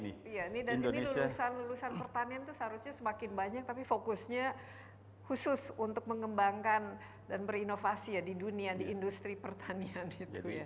dan ini lulusan lulusan pertanian itu seharusnya semakin banyak tapi fokusnya khusus untuk mengembangkan dan berinovasi ya di dunia di industri pertanian itu ya